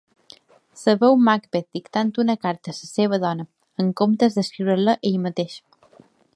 Es veu Macbeth dictant una carta a la seva dona, en comptes d'escriure-la ell mateix.